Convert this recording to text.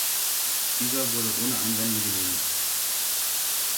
Dieser wurde ohne Einwände genehmigt.